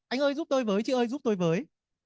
anh ơi giúp tôi với chị ơi giúp tôi với